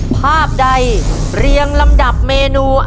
ภาพใดเรียงลำดับเมนู